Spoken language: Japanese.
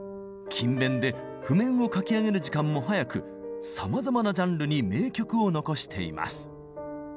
勤勉で譜面を書き上げる時間も早くさまざまなジャンルに名曲を残しています。